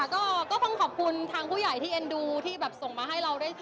ก็ต้องขอบคุณทางผู้ใหญ่ที่เอ็นดูที่แบบส่งมาให้เราได้